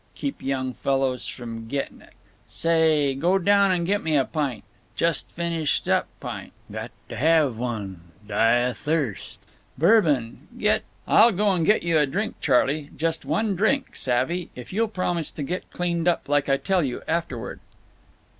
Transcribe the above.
Keep young fellows from getting it! Say, go down and get me pint. Just finished up pint. Got to have one die of thirst. Bourbon. Get—" "I'll go and get you a drink, Charley—just one drink, savvy?—if you'll promise to get cleaned up, like I tell you, afterward."